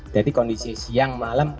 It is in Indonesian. jadi kondisi siang malam